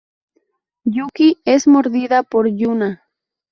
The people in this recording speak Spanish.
Yuki es mordida por Yuna.